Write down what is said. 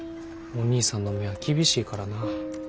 お義兄さんの目は厳しいからな。